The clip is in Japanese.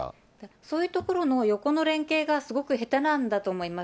そういうところの横の連携がすごく下手なんだと思います。